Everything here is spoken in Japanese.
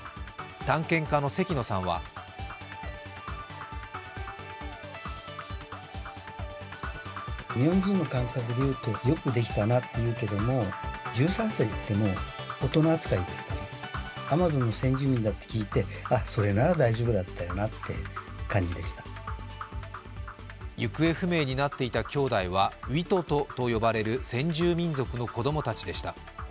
探検家の関野さんは行方不明になっていた兄弟はウィトトと呼ばれる先住民族の子供たちでした。